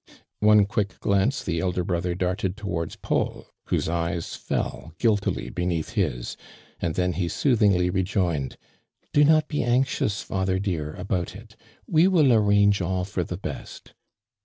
One quick glance the elder brother dart ed towards Paul, whose eyes fell guiltily beneath his, and then he soothingly rejoin ed: " Do not be anxious, father dear, about it ! We will arrange all for the best!"